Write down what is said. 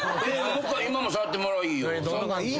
今も触ってもらいよ。